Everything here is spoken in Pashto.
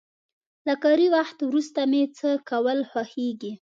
له کاري وخت وروسته مې څه کول خوښيږي؟